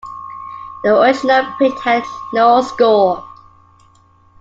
The original print had no score.